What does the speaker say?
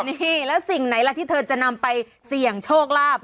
นี่แล้วสิ่งไหนล่ะที่เธอจะนำไปเสี่ยงโชคลาภ